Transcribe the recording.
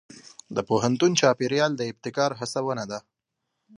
د پوهنتون چاپېریال د ابتکار هڅونه کوي.